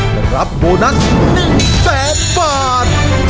และรับโบนัส๑๐๐๐บาท